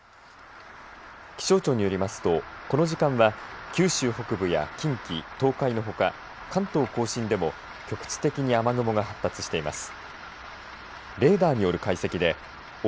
気象庁によりますとこの時間は、九州北部や近畿東海のほか、関東甲信でも局地的に雨雲が発達しています。